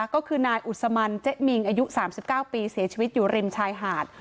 ก็คือนายอุศมันเจ๊มิงอายุ๓๙ปีเสียชีวิตอยู่ริมชายหาด